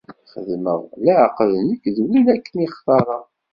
Xedmeɣ leɛqed nekk d win akken i xtarɣ.